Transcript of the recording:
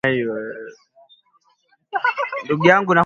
mwili huapata madhara ikikosa viatamin A inayopatikana kwenye viazi lishe